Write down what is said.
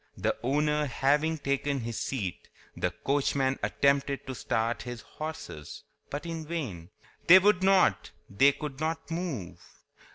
The owner having taken his seat, the coachman attempted to start his horses, but in vain. They would not—they could not move.